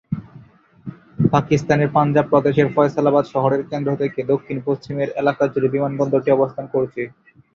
পাকিস্তানের পাঞ্জাব প্রদেশের ফয়সালাবাদ শহরের কেন্দ্র থেকে দক্ষিণ পশ্চিমের এলাকাজুড়ে বিমানবন্দরটি অবস্থান করছে।